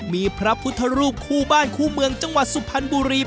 มีพระพุทธรูปคู่บ้านคู่เมืองจังหวัดสุพรรณบุรี